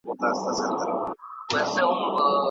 د خدای اکرام تل بنده ګانو ته رسیږي.